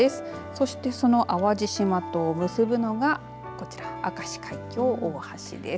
そして、その淡路島とを結ぶのがこちら、明石海峡大橋です。